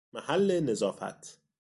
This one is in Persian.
محل نظافت